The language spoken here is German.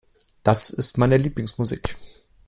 Das ist meine Lieblingsmusik.